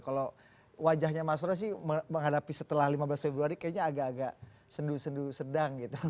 kalau wajahnya mas roy sih menghadapi setelah lima belas februari kayaknya agak agak sendu sendu sedang gitu